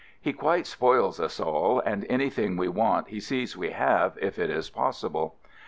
He quite spoils us all, and anything we want he sees we have if it is possible.